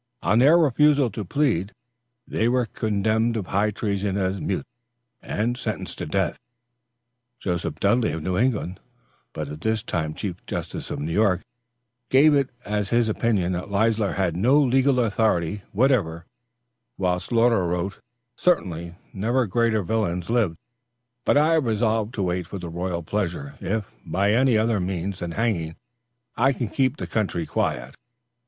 On their refusal to plead, they were condemned of high treason as mutes, and sentenced to death. Joseph Dudley of New England, but at this time chief justice of New York, gave it as his opinion that Leisler had no legal authority whatever, while Sloughter wrote: "Certainly, never greater villains lived; but I have resolved to wait for the royal pleasure, if, by any other means than hanging, I can keep the country quiet."